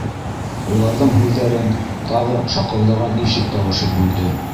Уларҙың һүҙҙәрен тағы шаҡылдаған ишек тауышы бүлде.